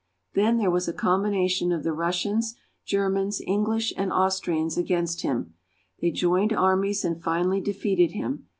Then there was a combination of the Rus sians, Germans, English, and Austrians against him ; they joined armies and finally defeated him.